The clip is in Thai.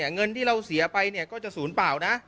เงินที่เราเสียไปก็จะศูนย์เปล่านะ